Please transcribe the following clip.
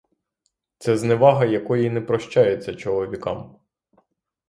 Це зневага, якої не прощається чоловікам.